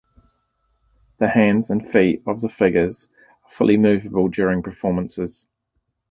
The hands and feet of the figures are fully movable during performances.